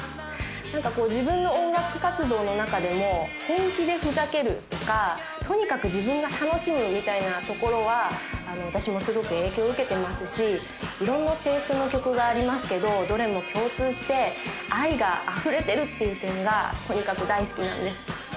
何かこう自分の音楽活動の中でも本気でふざけるとかとにかく自分が楽しむみたいなところは私もすごく影響を受けてますし色んなテイストの曲がありますけどどれも共通して愛があふれてるっていう点がとにかく大好きなんです